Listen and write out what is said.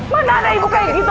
mana ada ibu kayak gitu